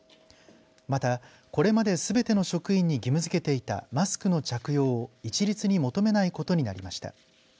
また、これまですべての職員に義務付けていたマスクの着用を一律に求めないことになりました。